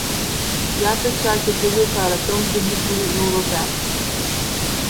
Iată ceea ce trebuie să arătăm publicului european.